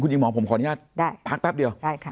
คุณหญิงหมอผมขออนุญาตได้พักแป๊บเดียวได้ค่ะ